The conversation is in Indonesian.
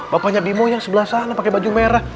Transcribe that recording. bapaknya bimonya sebelah sana pakai baju merah